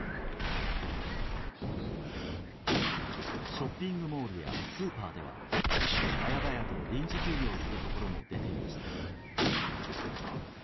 ショッピングモールやスーパーでは早々と臨時休業するところも出ていました。